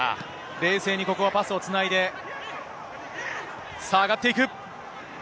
冷静にここはパスをつないで、さあ、上がっていく。